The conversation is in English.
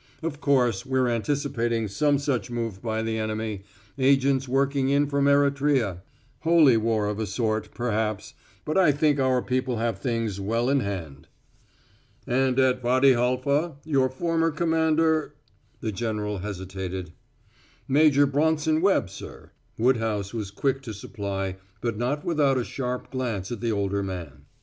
"Of course we're anticipating some such move by the enemy agents working in from Erythrea holy war of a sort, perhaps, but I think our people have things well in hand." "And at Wady Halfa, your former commander " The general hesitated. "Major Bronson Webb, sir," Woodhouse was quick to supply, but not without a sharp glance at the older man.